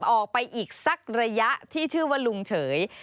ออกไปอีกสักระยะที่ชื่อว่าลุงเฉย